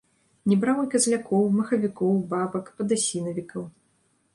Не браў і казлякоў, махавікоў, бабак, падасінавікаў.